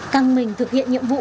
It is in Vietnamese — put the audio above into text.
căng mình thực hiện nhiệm vụ